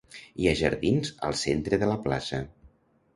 Hi ha jardins al centre de la plaça.